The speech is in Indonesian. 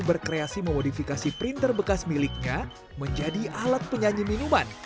berkreasi memodifikasi printer bekas miliknya menjadi alat penyanyi minuman